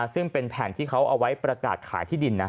ซึ่งเป็นแผ่นที่เขาเอาไว้ประกาศขายที่ดินนะ